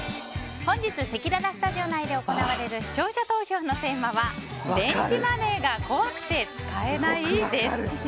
本日、せきららスタジオ内で行われる視聴者投票のテーマは電子マネーが怖くて使えない？です。